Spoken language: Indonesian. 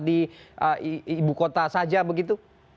di ibu kota saja begitu